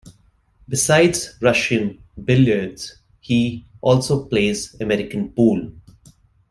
Besides Russian billiards, he also plays American pool.